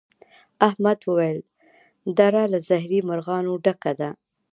احمد وويل: دره له زهري مرغانو ډکه ده.